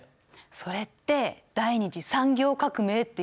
それって第２次産業革命っていうんだよ。